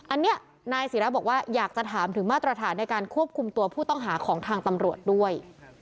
อันนี้นายศิราบอกว่าอยากจะถามถึงมาตรฐานในการควบคุมตัวผู้ต้องหาของทางตำรวจด้วย